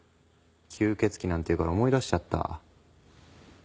吸血鬼なんて言うから思い出しちゃった。